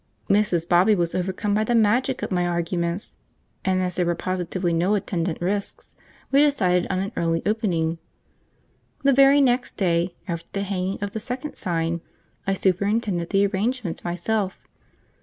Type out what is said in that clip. Mrs. Bobby was overcome by the magic of my arguments, and as there were positively no attendant risks, we decided on an early opening. The very next day after the hanging of the second sign, I superintended the arrangements myself.